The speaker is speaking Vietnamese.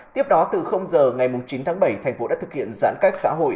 tiếp đó từ giờ ngày chín tháng bảy tp hcm đã thực hiện giãn cách xã hội